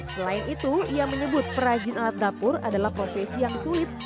selain itu ia menyebut perajin alat dapur adalah profesi yang sulit